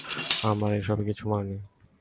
আমার এসব কিচ্ছু মনে নেই।